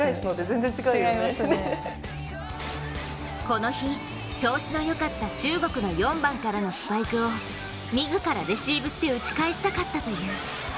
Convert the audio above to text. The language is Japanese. この日、調子のよかった中国の４番からのスパイクを自らレシーブして打ち返したかったという。